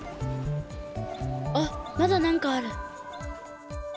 あっまだなんかある。